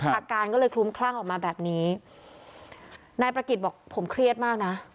อาการก็เลยคลุ้มคลั่งออกมาแบบนี้นายประกิจบอกผมเครียดมากนะ